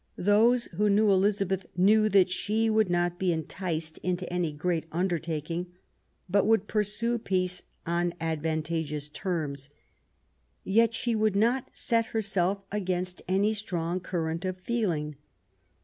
Those who knew Elizabeth knew that she would not be enticed into any great undertaking, but would pursue peace on advantageous terms. Yet she would not set herself against any strong current of feeling.